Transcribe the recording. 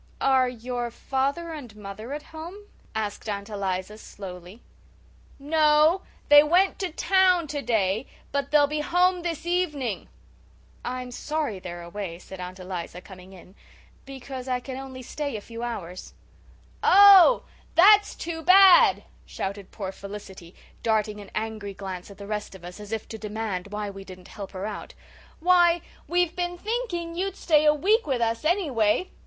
"Are your father and mother at home?" asked Aunt Eliza, slowly. "No, they went to town today. But they'll be home this evening." "I'm sorry they're away," said Aunt Eliza, coming in, "because I can stay only a few hours." "Oh, that's too bad," shouted poor Felicity, darting an angry glance at the rest of us, as if to demand why we didn't help her out. "Why, we've been thinking you'd stay a week with us anyway.